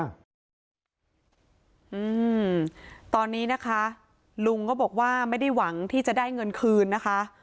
อืมตอนนี้นะคะลุงก็บอกว่าไม่ได้หวังที่จะได้เงินคืนนะคะ